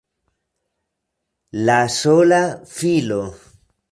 La sola filo!